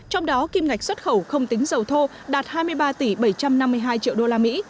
trong đó kim ngạch xuất khẩu không tính dầu thô đạt hai mươi ba tỷ bảy trăm năm mươi hai triệu đô la mỹ